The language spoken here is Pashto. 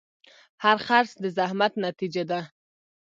هر خرڅ د زحمت نتیجه ده.